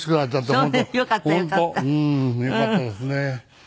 本当よかったですね。